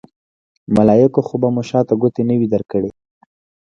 ملایکو خو به مو شاته ګوتې نه وي درکړې.